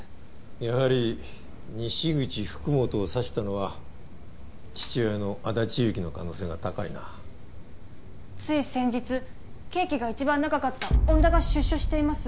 やはり西口福本を刺したのは父親の安達祐樹の可能性が高いなつい先日刑期が一番長かった恩田が出所しています